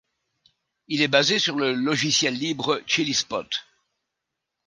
Il est basé sur le logiciel libre ChilliSpot.